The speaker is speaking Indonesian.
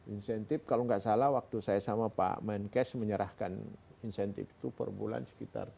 insentif kalau nggak salah waktu saya sama pak menkes menyerahkan insentif itu per bulan sekitar